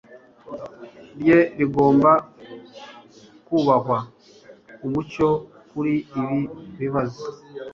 rye rigomba kubahwa Umucyo kuri ibi bibazo